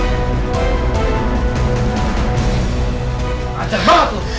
gak ada apa